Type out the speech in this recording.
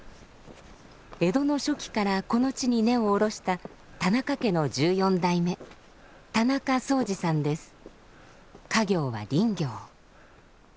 江戸の初期からこの地に根を下ろした田中家の１４代目家業は林業。